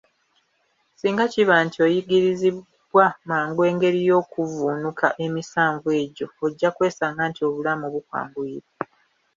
Singa kiba nti oyigirizibbwa mangu engeri y'okuvvuunukamu emisanvu egyo, ojja kwesanga nti obulamu bukwanguyira.